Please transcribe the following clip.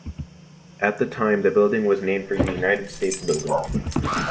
At that time the building was named the United States Building.